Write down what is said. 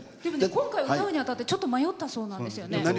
今回、歌うにあたって迷ったそうなんですよね。